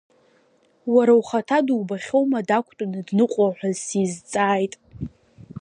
Уара ухаҭа дубахьоума дақәтәаны дныҟәо, ҳәа сизҵааит.